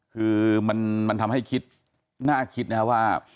คือมันทำให้คิดน่าคิดนะครับว่า